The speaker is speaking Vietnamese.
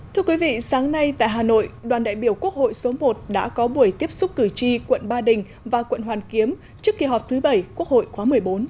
thưa quý vị sáng nay tại hà nội đoàn đại biểu quốc hội số một đã có buổi tiếp xúc cử tri quận ba đình và quận hoàn kiếm trước kỳ họp thứ bảy quốc hội khóa một mươi bốn